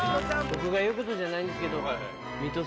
僕が言うことじゃないんですけど